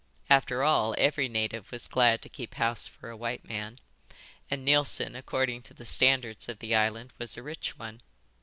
After all, every native was glad to keep house for a white man, and Neilson according to the standards of the island was a rich one.